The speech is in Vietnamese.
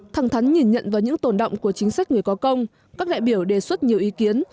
thẳng thắn nhìn nhận vào những tồn động của chính sách người có công các đại biểu đề xuất nhiều ý kiến